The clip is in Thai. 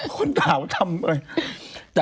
คนด่าวทำ